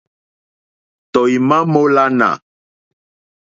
Tɔ̀ímá mǃólánà.